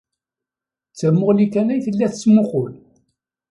D tamuɣli kan ay tella tettmuqqul.